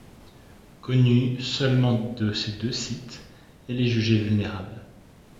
Connue seulement de ces deux sites, elle est jugée vulnérable.